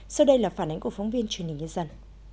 sau đây là phản ánh của phóng viên truyền hình nhân dân